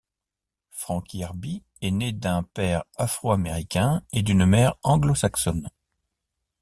Frank Yerby est né d'un père afro-américain et d'une mère anglo-saxonne.